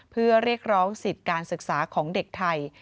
เพื่อเรียกร้องสิทธิ์การศึกษาของเด็กไทย